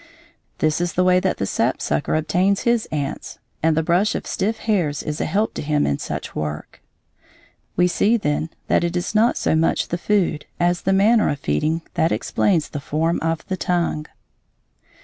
This is the way that the sapsucker obtains his ants, and the brush of stiff hairs is a help to him in such work. We see, then, that it is not so much the food as the manner of feeding that explains the form of the tongue.